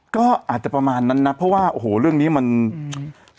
ก็อาจจะประมาณนั้นนะเพราะว่าโอ้โหเรื่องนี้มันอืม